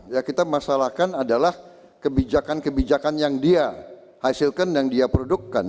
ya kita masalahkan adalah kebijakan kebijakan yang dia hasilkan dan dia produkkan